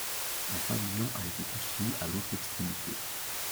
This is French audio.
Un pavillon a été construit à l'autre extrémité.